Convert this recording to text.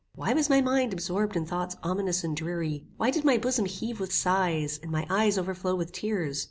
Why was my mind absorbed in thoughts ominous and dreary? Why did my bosom heave with sighs, and my eyes overflow with tears?